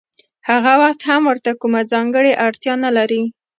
هغه وخت هم ورته کومه ځانګړې اړتیا نلري